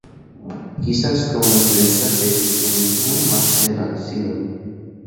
Quizás como influencias del cristianismo más generalizado.